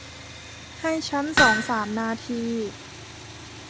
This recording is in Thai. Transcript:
ให้ฉันสองสามนาที